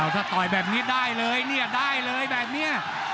ถ้าต่อยแบบนี้ได้เลยเนี่ยได้เลยแบบนี้